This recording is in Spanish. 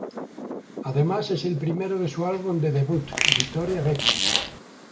Además, es el primero de su álbum de debut "Victoria Beckham".